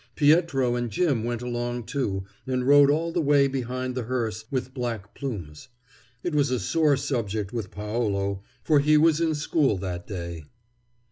Pietro and Jim went along, too, and rode all the way behind the hearse with black plumes. It was a sore subject with Paolo, for he was in school that day.